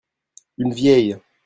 Une vieille.